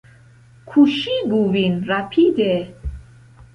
Kuŝigu vin, rapide!